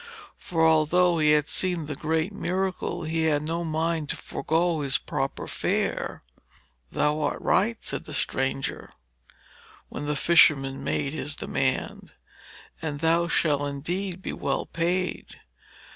For, although he had seen the great miracle, he had no mind to forgo his proper fare. 'Thou art right,' said the stranger, when the fisherman made his demand, 'and thou shalt indeed be well paid.